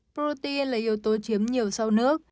protein là yếu tố chiếm nhiều sau nước